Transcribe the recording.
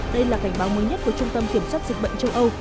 đây là cảnh báo mới nhất của trung tâm kiểm soát dịch bệnh châu âu